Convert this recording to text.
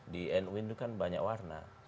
di nu itu kan banyak warna